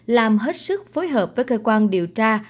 làm hết sức phối hợp với cơ quan điều tra